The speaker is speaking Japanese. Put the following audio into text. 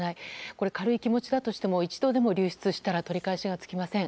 これは軽い気持ちだとしても一度でも流出したら取り返しがつきません。